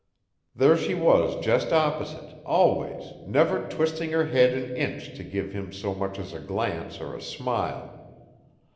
There she was just opposite, always, never twisting her head an inch to give him so much as a glance or a smile.